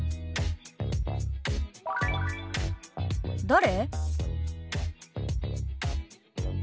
「誰？」。